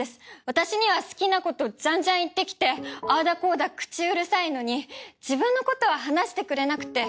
私には好きなことじゃんじゃん言ってきてあだこだ口うるさいのに自分のことは話してくれなくて。